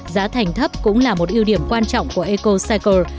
giá thành thấp cũng là một ưu điểm quan trọng của ecocycle